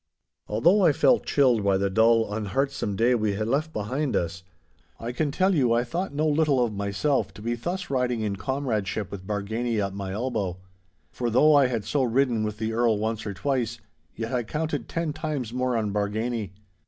Although I felt chilled by the dull, unheartsome day we had left behind us, I can tell you I thought no little of myself to be thus riding in comradeship with Bargany at my elbow. For though I had so ridden with the Earl once or twice, yet I counted ten times more on Bargany.